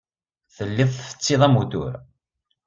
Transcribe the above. Telliḍ tfessiḍ amutur.